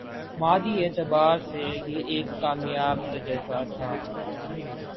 مادی اعتبار سے یہ ایک کامیاب تجربہ تھا